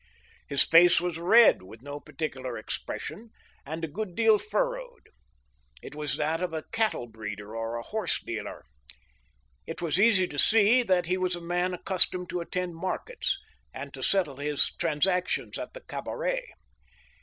His face was red, with no particular expression, and a good deal furrowed. It was that of a cattle breeder or a horse dealer. It was easy to see that he was a man accustomed to attend markets, and to settle his transactions at the cabaret.